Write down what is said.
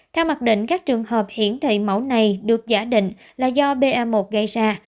theo mặt định các trường hợp hiển thị mẫu này được giả định là do ba một gây ra